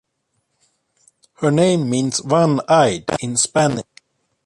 Her name means "one-eyed" in Spanish.